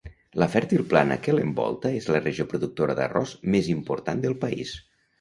La fèrtil plana que l'envolta és la regió productora d'arròs més important del país.